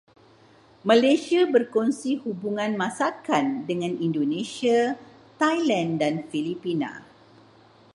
Malaysia berkongsi hubungan masakan dengan Indonesia, Thailand dan Filipina.